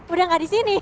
udah gak di sini